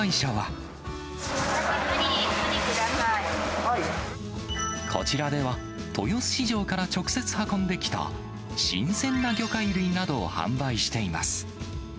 私、こちらでは、豊洲市場から直接運んできた新鮮な魚介類などを販売しています。